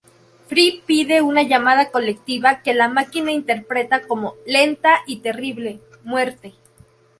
Fry pide una "llamada colectiva" que la máquina interpreta como "lenta y terrible" muerte.